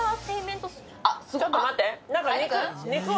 ちょっと待って。